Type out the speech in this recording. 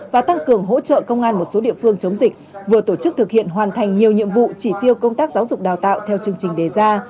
và tăng cường hỗ trợ công an một số địa phương chống dịch vừa tổ chức thực hiện hoàn thành nhiều nhiệm vụ chỉ tiêu công tác giáo dục đào tạo theo chương trình đề ra